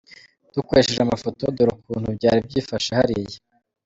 Dukoresheje amafoto dore ukuntu byari byifashe hariya.